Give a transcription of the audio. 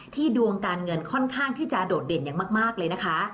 ดวงการเงินค่อนข้างที่จะโดดเด่นอย่างมากเลยนะคะ